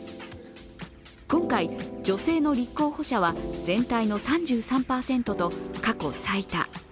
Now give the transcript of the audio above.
今回、女性の立候補者は全体の３３％と過去最多。